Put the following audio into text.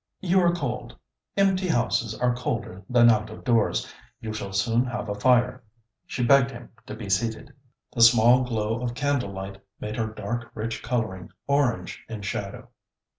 'You are cold. Empty houses are colder than out of doors. You shall soon have a fire.' She begged him to be seated. The small glow of candle light made her dark rich colouring orange in shadow.